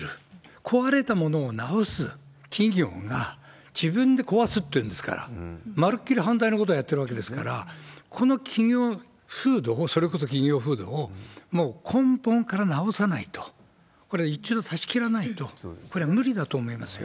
ただ、修理する、壊れたものを直す企業が自分で壊すっていうんですから、丸っきり反対のことをやっているわけですから、この企業風土をそれこそ企業風土をもう根本から直さないと、これは一度断ち切らないと、これは無理だと思いますよ。